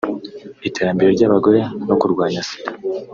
iterambere ry’abagore no kurwanya Sida